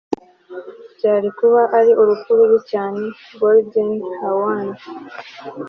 byari kuba ari urupfu rubi cyane - goldie hawn